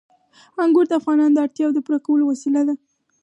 انګور د افغانانو د اړتیاوو د پوره کولو وسیله ده.